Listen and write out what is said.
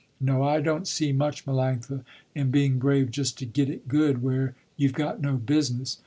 No I don't see much, Melanctha, in being brave just to get it good, where you've got no business.